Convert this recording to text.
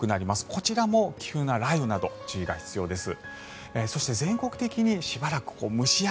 こちらも急な雷雨など注意が必要です。